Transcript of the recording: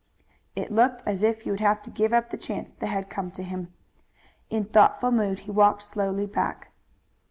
It looked as if he would have to give up the chance that had come to him. In thoughtful mood he walked slowly back.